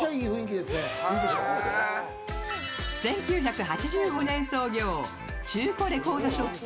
１９８５年創業、中古レコードショップ